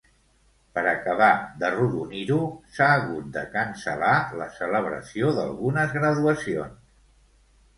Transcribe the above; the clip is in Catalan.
Per acabar d'arrodonir-ho, s'ha hagut de cancel·lar la celebració d'algunes graduacions.